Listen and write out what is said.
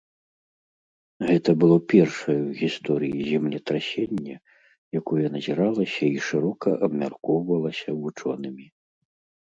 Гэта было першае ў гісторыі землетрасенне, якое назіралася і шырока абмяркоўвалася вучонымі.